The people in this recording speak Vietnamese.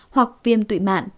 hoặc viêm tụy mạn